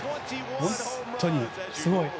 本当にすごい！